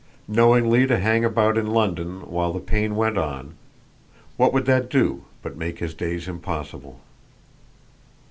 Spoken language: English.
Knowingly to hang about in London while the pain went on what would that do but make his days impossible?